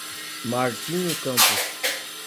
Martinho Campos